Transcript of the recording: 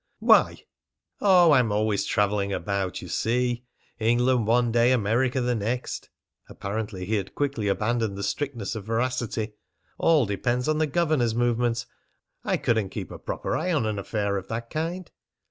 "Why?" "Oh, I'm always travelling about, you see. England one day, America the next." Apparently he had quickly abandoned the strictness of veracity. "All depends on the governor's movements. I couldn't keep a proper eye on an affair of that kind."